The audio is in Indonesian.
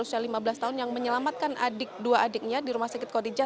yang berusia lima belas tahun yang menyelamatkan adik dua adiknya di rumah sakit kodija